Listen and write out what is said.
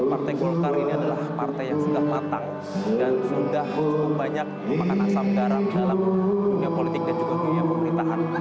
partai golkar ini adalah partai yang sudah matang dan sudah cukup banyak memakan asam garam dalam dunia politik dan juga dunia pemerintahan